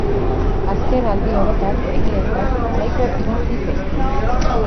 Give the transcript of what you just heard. Azken aldi honetan, egia esan, nahiko iritsi zaizkit.